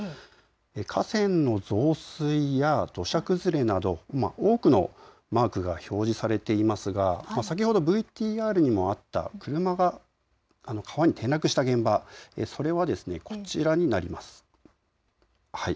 河川の増水や土砂崩れなど多くのマークが表示されていますが先ほどＶＴＲにもあった車が川に転落した現場、それはこちらになります。